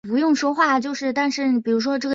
驹泽大学玉川校区所在地。